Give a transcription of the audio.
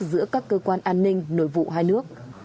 giữa các cơ quan an ninh nội vụ hai nước